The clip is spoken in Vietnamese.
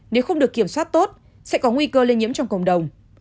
nếu không được kiểm soát tốt sẽ có nguy cơ lây nhiễm trong cộng đồng